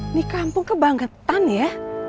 ini kampung kebangetan ya